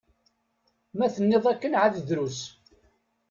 Ma tenniḍ akken εad drus.